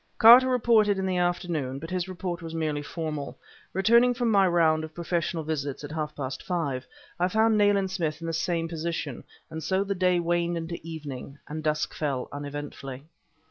Carter reported in the afternoon, but his report was merely formal. Returning from my round of professional visits at half past five, I found Nayland Smith in the same position; and so the day waned into evening, and dusk fell uneventfully.